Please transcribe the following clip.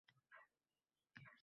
maishiy maqsadlarda